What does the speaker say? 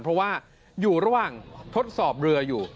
เพราะว่าอยู่ระหว่างทดสอบเรืออยู่